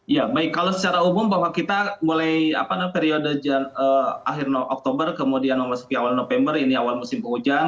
ya baik kalau secara umum bahwa kita mulai periode akhir oktober kemudian memasuki awal november ini awal musim penghujan